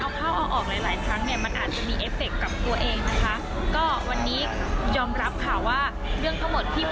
ทำหน้าอกของแอมมี่มันเป็นการทำหน้าอกครั้งที่๔แล้ว